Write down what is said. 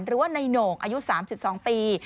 หรือว่าในโหน่งอายุ๓๒ปี